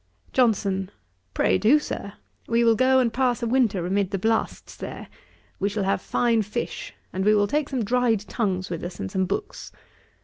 JOHNSON. 'Pray do, Sir. We will go and pass a winter amid the blasts there. We shall have fine fish, and we will take some dried tongues with us, and some books.